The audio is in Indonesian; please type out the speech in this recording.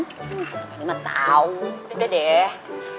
tante melly mah tau udah deh